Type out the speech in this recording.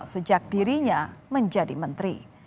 sejak dirinya menjadi menteri